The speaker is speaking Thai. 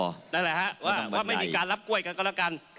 นั่นแหละฮะว่าไม่มีการรับกล้วยกันก็แล้วกัน